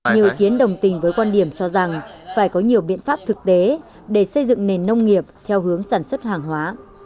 nhiều ý kiến đồng tình với quan điểm cho rằng phải có nhiều biện pháp thực tế để xây dựng nền nông nghiệp theo hướng sản xuất hàng hóa